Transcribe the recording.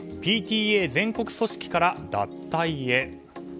ＰＴＡ全国組織から脱退へ。